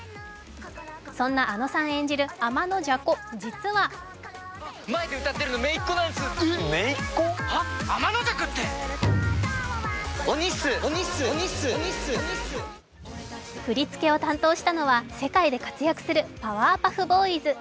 そんな、あのさん演じるあまのじゃ子、実は振り付けを担当したのは世界で活躍するパワーパフボーイズ。